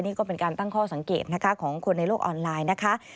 นี่ก็เป็นการตั้งข้อสังเกตนะคะของคนในโลกออนไลน์นะคะ